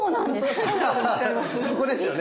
そこですよね。